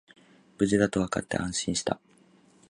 無事だとわかって安心した